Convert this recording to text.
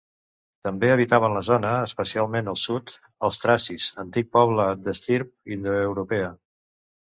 També habitaven la zona, especialment al sud, els tracis, antic poble d'estirp indoeuropea.